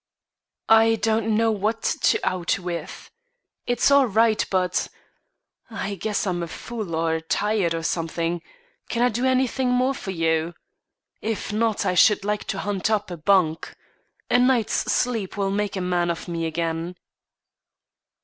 "I don't know what to out with. It's all right but I guess I'm a fool, or tired, or something. Can I do anything more for you? If not, I should like to hunt up a bunk. A night's sleep will make a man of me again."